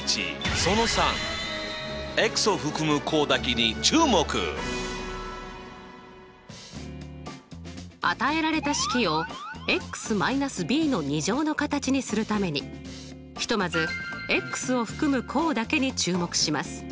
その３。与えられた式をの形にするためにひとまずを含む項だけに注目します。